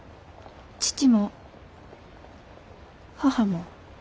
父も母も。